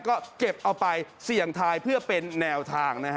ก็เก็บเอาไปเสี่ยงทายเพื่อเป็นแนวทางนะฮะ